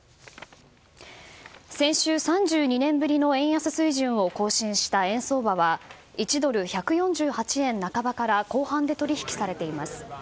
先週、３２年ぶりの円安水準を更新した円相場は１ドル＝１４８円半ばから後半で取引されています。